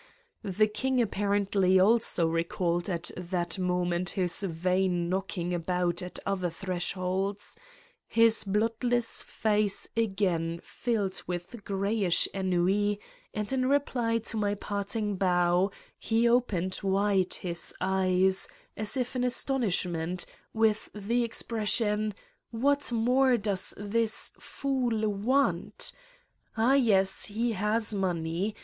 The King, apparently, also recalled at that moment his vain knocking about at other thresholds: his bloodless face again filled with grayish ennui and in reply to my parting bow, he opened wide his eyes, as if in astonish ment, with the expression: what more does this fool want? Ah, yes, he has money.